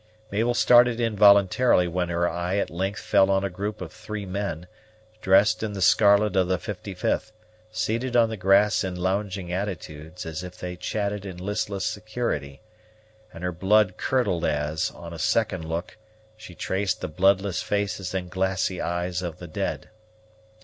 Mabel started involuntarily when her eye at length fell on a group of three men, dressed in the scarlet of the 55th, seated on the grass in lounging attitudes, as if they chatted in listless security; and her blood curdled as, on a second look, she traced the bloodless faces and glassy eyes of the dead.